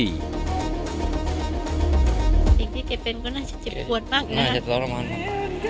สิ่งที่เก็บเป็นก็น่าจะเจ็บปวดมากน่ะน่าจะทรมานมาก